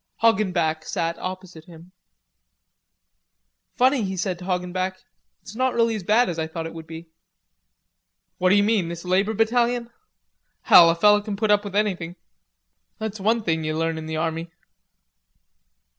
Hoggenback sat opposite him. "Funny," he said to Hoggenback, "it's not really as bad as I thought it would be." "What d'you mean, this labor battalion? Hell, a feller can put up with anything; that's one thing you learn in the army."